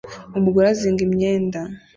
Umugore azinga imyenda